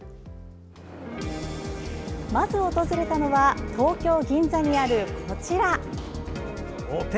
まず訪れたのは東京・銀座にある、こちら。